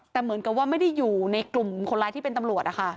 แต่เหมือนกับว่าไม่ได้อยู่ในกลุ่มคนร้ายที่เป็นตำรวจนะคะ